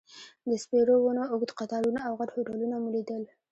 د سپیرو ونو اوږد قطارونه او غټ هوټلونه مو لیدل.